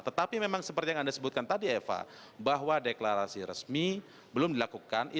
tetapi memang seperti yang anda sebutkan tadi eva bahwa deklarasi resmi belum dilakukan